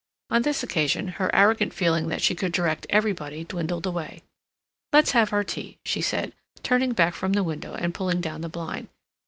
On this occasion her arrogant feeling that she could direct everybody dwindled away. "Let's have our tea," she said, turning back from the window and pulling down the blind.